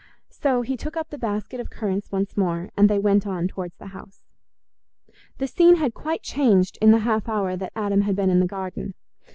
So he took up the basket of currants once more, and they went on towards the house. The scene had quite changed in the half hour that Adam had been in the garden.